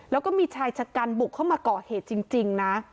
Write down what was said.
แล้วก็มีชายชะกันบุกเข้ามาก่อเหตุจริงนะ